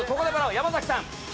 山崎さん。